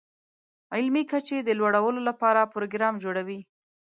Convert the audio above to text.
علمي کچې د لوړولو لپاره پروګرام جوړوي.